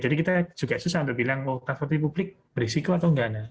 jadi kita juga susah untuk bilang oh transportasi publik berisiko atau nggak